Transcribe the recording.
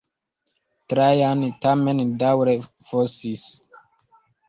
Trajan tamen daŭre fosis.